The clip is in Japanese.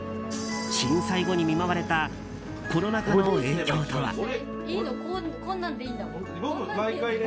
震災後に見舞われたコロナ禍の影響とは。